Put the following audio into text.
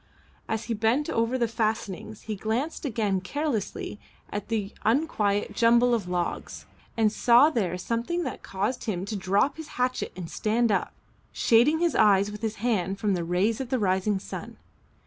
As he bent over the fastenings he glanced again carelessly at the unquiet jumble of logs and saw there something that caused him to drop his hatchet and stand up, shading his eyes with his hand from the rays of the rising sun.